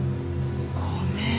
ごめん。